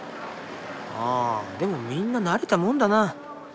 あでもみんな慣れたもんだな。